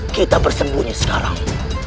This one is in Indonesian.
kita bersembunyi sekarang